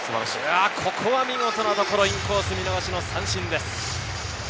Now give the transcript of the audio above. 見事なところ、インコース見逃し三振です。